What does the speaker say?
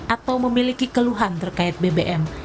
atau memiliki keluhan terkait bbm